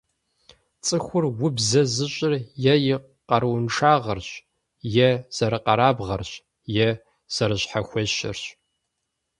ЦӀыхур убзэ зыщӀыр е и къарууншагъэрщ, е зэрыкъэрабгъэрщ, е зэрыщхьэхуещэрщ.